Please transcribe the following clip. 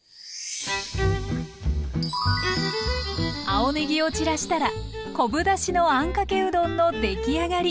青ねぎを散らしたら昆布だしのあんかけうどんのできあがり！